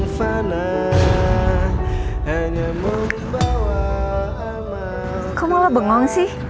kok malah bengong sih